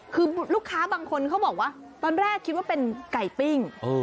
คือลูกค้าบางคนเขาบอกว่าตอนแรกคิดว่าเป็นไก่ปิ้ง